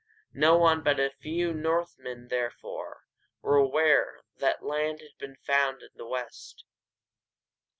No one but a few Northmen, therefore, were aware that land had been found in the West.